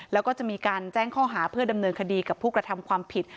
แล้วก็จะมีการแจ้งข้อหาเพื่อดำเนินคดีกับผู้กระทำความผิด